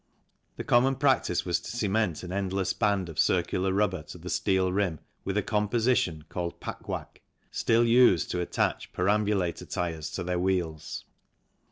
The common practice was to cement an endless band of circular rubber to the steel rim with a composition called " packwack," still used to attach perambulator tyres to their wheels.